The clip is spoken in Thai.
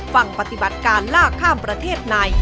ฝั่งปฏิบัติการลากข้ามประเทศใน